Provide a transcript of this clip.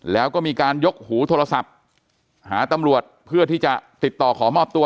แล้วก็มีการยกหูโทรศัพท์หาตำรวจเพื่อที่จะติดต่อขอมอบตัว